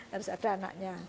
harus ada anaknya